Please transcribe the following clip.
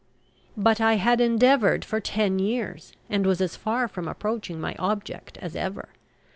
But I had endeavoured for ten years, and was as far from approaching my object as ever.